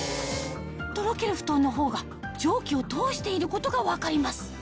とろけるふとんのほうが蒸気を通していることが分かります